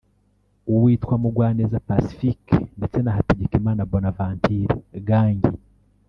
uwitwa Mugwaneza Pacifique ndetse na Hategekimana Bonaventure Gangi